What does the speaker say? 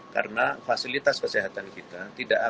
karena fasilitas kesehatan kita tidak akan